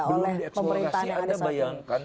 belum di eksplorasi anda bayangkan